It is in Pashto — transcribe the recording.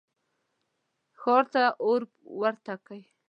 ښار ته اور ورته کئ.